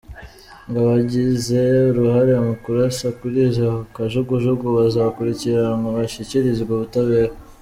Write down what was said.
Ngo abagize uruhare mu kurasa kuri izo kajugujugu bazakurikiranwa bashyikirizwe ubutabera.